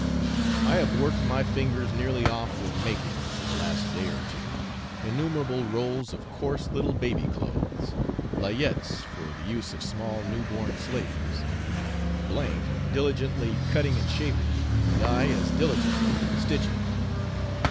] I have worked my fingers nearly off with making, for the last day or two, innumerable rolls of coarse little baby clothes, layettes for the use of small new born slaves; M diligently cutting and shaping, and I as diligently stitching.